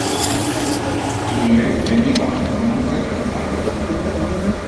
Ille deveniva un famose cantante.